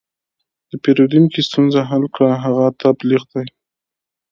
د پیرودونکي ستونزه حل کړه، هغه تبلیغ کوي.